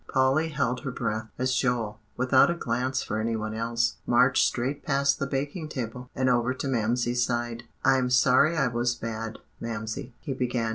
Polly held her breath, as Joel, without a glance for any one else, marched straight past the baking table, and over to Mamsie's side. "I'm sorry I was bad, Mamsie," he began.